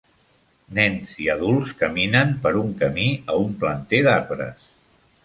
Nens i adults caminen per un camí a un planter d'arbres.